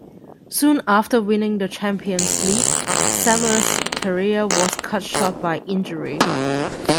Soon after winning the Champions League, Sammer's career was cut short by injury.